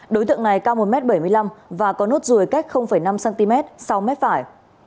đối tượng này cao một m bảy mươi năm và có nốt rùi cách năm cm sáu m phải